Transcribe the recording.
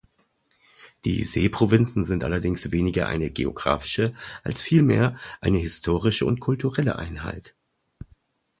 Die Seeprovinzen sind allerdings weniger eine geographische, als vielmehr eine historische und kulturelle Einheit.